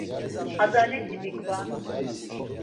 Adaleti viǩvan.